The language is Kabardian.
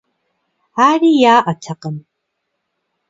Ари яӏэтэкъым.